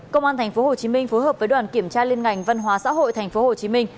công an tp hcm phối hợp với đoàn kiểm tra liên ngành văn hóa xã hội tp hcm